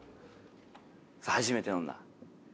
「初めて飲んだ？」